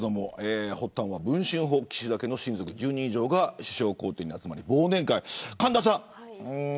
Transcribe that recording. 発端は文春砲、岸田家の親族１０人以上が首相公邸に集まり忘年会。